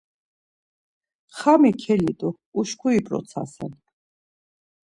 Xami kelidu, uşkuri p̆rotsasen.